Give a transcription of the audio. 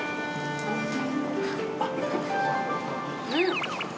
うん！